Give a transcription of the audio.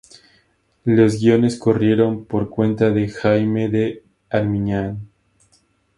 Los guiones corrieron por cuenta de Jaime de Armiñán.